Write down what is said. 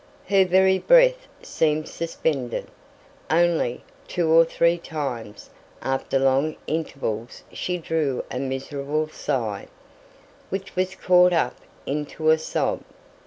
Her very breath seemed suspended; only, two or three times, after long intervals, she drew a miserable sigh, which was caught up into a sob.